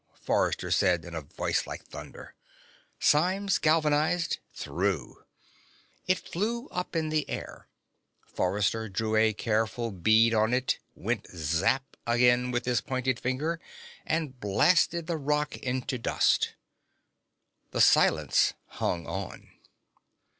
"Throw!" Forrester said in a voice like thunder. Symes, galvanized, threw. It flew up in the air. Forrester drew a careful bead on it, went zap again with the pointed finger, and blasted the rock into dust. The silence hung on.